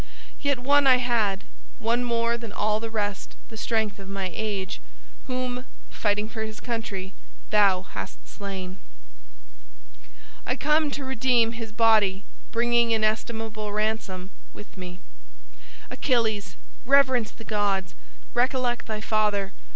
Yet one I had, one more than all the rest the strength of my age, whom, fighting for his country, thou hast slain. I come to redeem his body, bringing inestimable ransom with me. Achilles! reverence the gods! recollect thy father!